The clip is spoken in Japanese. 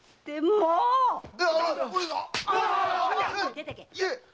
出てけ！